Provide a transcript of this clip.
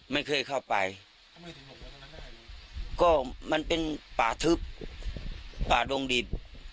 ไม่เคยเข้าไปทำไมก็มันเป็นป่าทึบป่าดงดิบ